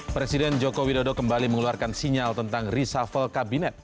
presiden joko widodo kembali mengeluarkan sinyal tentang reshuffle kabinet